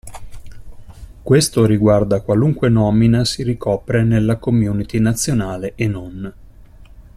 Questo riguarda qualunque nomina si ricopre nella community nazionale e non.